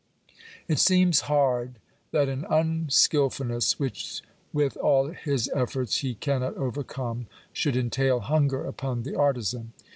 It seems hard that an unskilfulness which with all his efforts he cannot overcome, should entail hunger upon the artizan.